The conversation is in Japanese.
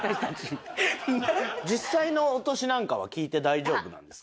実際のお年なんかは聞いて大丈夫なんですか？